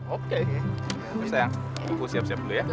oke ya sayang aku siap siap dulu ya